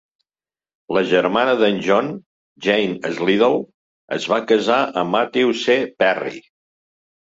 La germana d'en John, Jane Slidell, es va casar amb Matthew C. Perry.